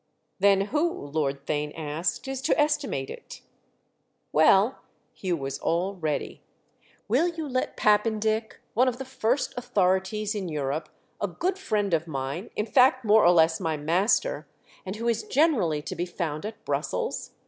"Then who," Lord Theign asked, "is to estimate it?" "Well,"—Hugh was all ready—"will you let Pap pendick, one of the first authorities in Europe, a good friend of mine, in fact more or less my master, and who is generally to be found at Brussels?